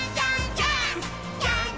ジャンプ！！」